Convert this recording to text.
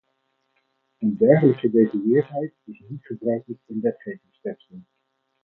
Een dergelijke gedetailleerdheid is niet gebruikelijk in wetgevingsteksten.